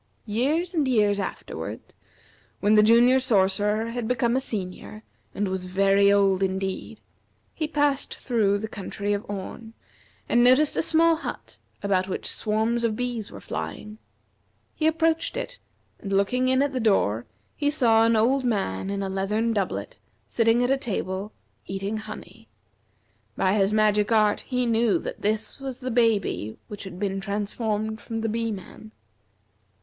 Years and years afterward, when the Junior Sorcerer had become a Senior and was very old indeed, he passed through the country of Orn, and noticed a small hut about which swarms of bees were flying. He approached it, and looking in at the door he saw an old man in a leathern doublet, sitting at a table, eating honey. By his magic art he knew this was the baby which had been transformed from the Bee man.